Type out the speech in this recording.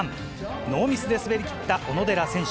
ノーミスで滑りきった小野寺選手。